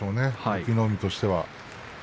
隠岐の海としては。